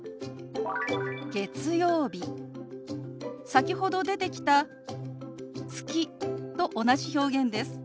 先ほど出てきた「月」と同じ表現です。